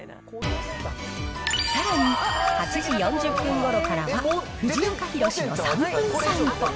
さらに、８時４０分ごろからは、藤岡弘、の３分散歩。